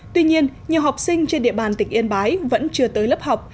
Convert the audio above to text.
tuy nhiên nhiều học sinh trên địa bàn tỉnh yên bái vẫn chưa tới lớp học